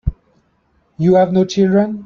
You have no children.